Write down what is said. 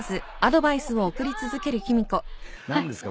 何ですか？